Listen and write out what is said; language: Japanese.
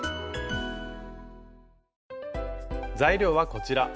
材料はこちら。